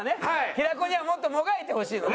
平子にはもっともがいてほしいのね。